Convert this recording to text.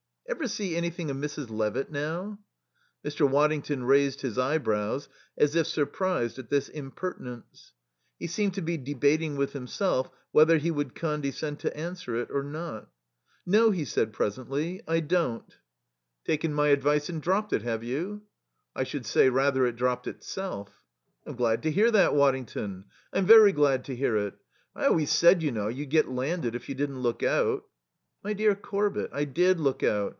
"Ever see anything of Mrs. Levitt now?" Mr. Waddington raised his eyebrows as if surprised at this impertinence. He seemed to be debating with himself whether he would condescend to answer it or not. "No," he said presently, "I don't." "Taken my advice and dropped it, have you?" "I should say, rather, it dropped itself." "I'm glad to hear that, Waddington; I'm very glad to hear it. I always said, you know, you'd get landed if you didn't look out." "My dear Corbett, I did look out.